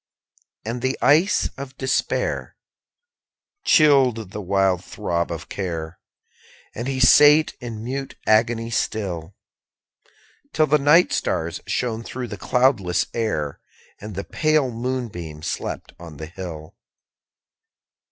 6. And the ice of despair Chilled the wild throb of care, And he sate in mute agony still; Till the night stars shone through the cloudless air, _35 And the pale moonbeam slept on the hill.